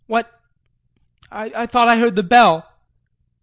What I thought I heard the bell!